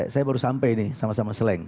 saya baru sampai nih sama sama sleng